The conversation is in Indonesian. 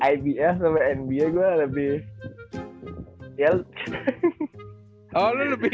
ibs sama nba gua lebih